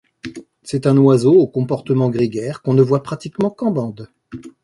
C'est un oiseau au comportement grégaire qu'on ne voit pratiquement qu'en bande.